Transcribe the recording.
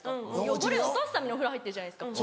汚れ落とすためにお風呂入ってるじゃないですか。